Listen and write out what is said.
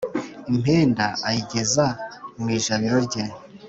impenda ayigeza mu ijabiro rye.